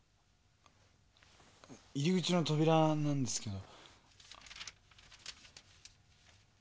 入り口の扉なんですけど。